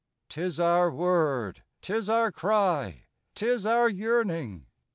T is our word, 't is our cry, 't is our yearning.